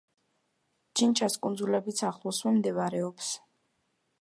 ჩინჩას კუნძულებიც ახლოსვე მდებარეობს.